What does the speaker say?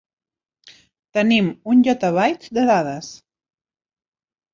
Tenim un yottabyte de dades.